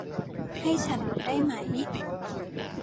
ให้ฉันรู้ได้ไหม